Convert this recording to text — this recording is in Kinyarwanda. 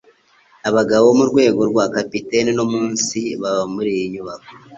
Abagabo bo mu rwego rwa capitaine no munsi baba muri iyi nyubako